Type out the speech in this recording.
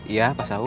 iya pak saum